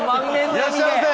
いらっしゃいませ！